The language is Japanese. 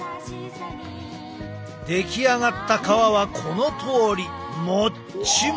出来上がった皮はこのとおりもっちもち！